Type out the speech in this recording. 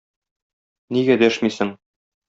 Нигә дәшмисең?